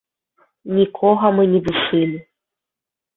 Нікога мы не душылі.